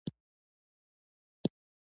افغانستان له لوگر ډک دی.